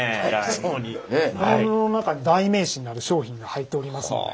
この布の中に代名詞になる商品が入っておりますので。